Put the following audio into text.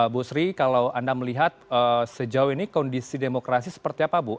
bu sri kalau anda melihat sejauh ini kondisi demokrasi seperti apa bu